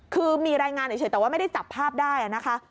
คือมีรายงานเฉยแต่ว่าไม่ได้จับภาพได้นะคะ